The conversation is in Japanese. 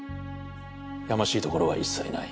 やましいところは一切ない。